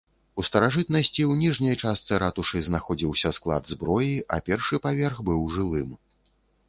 У старажытнасці у ніжняй частцы ратушы знаходзіўся склад зброі, а першы паверх быў жылым.